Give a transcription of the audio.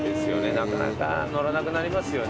なかなか乗らなくなりますよね。